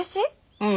うん。